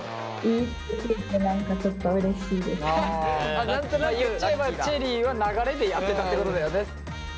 あの普通にあ言っちゃえばチェリーは流れでやってたってことだよね。